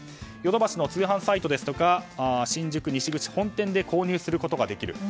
ヨドバシの通販サイトや新宿西口本店で購入することができる。